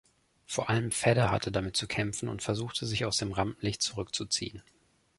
Vor allem Vedder hatte damit zu kämpfen und versuchte sich aus dem Rampenlicht zurückzuziehen.